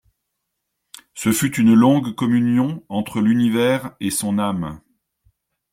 Ce fut une longue communion entre l'univers et son âme.